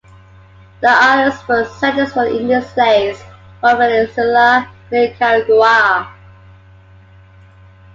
The island's first settlers were Indian slaves from Venezuela and Nicaragua.